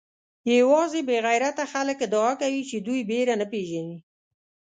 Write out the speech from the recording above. یوازې بې غیرته خلک ادعا کوي چې دوی بېره نه پېژني.